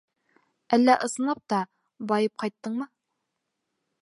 — Әллә ысынлап та байып ҡайттыңмы?